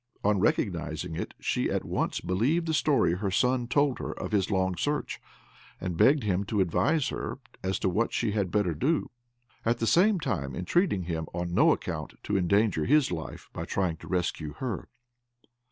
On recognising it, she at once believed the story her son told her of his long search, and begged him to advise her as to what she had better do; at the same time entreating him on no account to endanger his life by trying to rescue her.